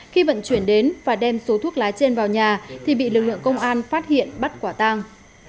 khi vận chuyển đến và đem số thuốc lá trên vào nhà thì bị lực lượng công an phát hiện bắt quả tang